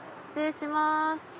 失礼します。